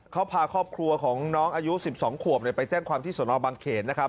เขาพาครอบครัวของน้องอายุ๑๒ขวบไปแจ้งความที่สนบังเขนนะครับ